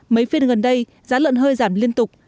mấy phiên gần đây giá lợn hơi giảm liên tục